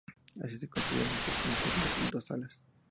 Así, se construyeron en su interior dos salas.